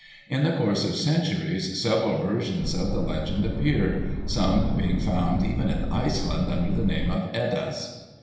In the course of centuries several versions of the legend appeared, some being found even in Iceland under the name of "Eddas."